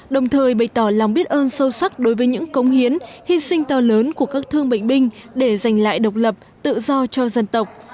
đồng thời bày tỏ lòng biết ơn sâu sắc đối với những công hiến hy sinh to lớn của các thương bệnh binh để giành lại độc lập tự do cho dân tộc